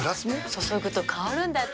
注ぐと香るんだって。